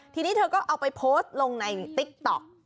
ทีนี้เธอก็เอาไปโพสต์ลงในติ๊กต๊อก